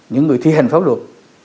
những người thi hành pháp luật